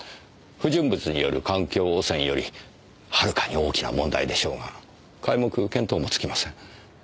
不純物による環境汚染よりはるかに大きな問題でしょうが皆目見当もつきません。